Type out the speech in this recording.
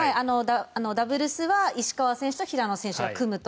ダブルスは石川選手と平野選手が組むと。